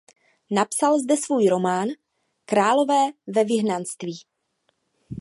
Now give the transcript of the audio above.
Napsal zde svůj román "Králové ve vyhnanství".